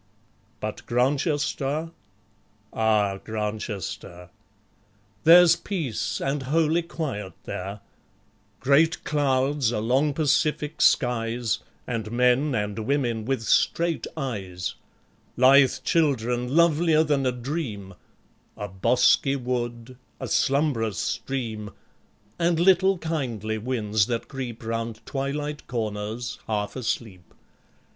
But Grantchester! ah, Grantchester! There's peace and holy quiet there, Great clouds along pacific skies, And men and women with straight eyes, Lithe children lovelier than a dream, A bosky wood, a slumbrous stream, And little kindly winds that creep Round twilight corners, half asleep.